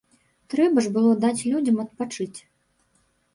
Трэба ж было даць людзям адпачыць.